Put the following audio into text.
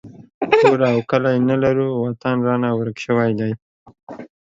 کور او کلی نه لرو وطن رانه ورک شوی دی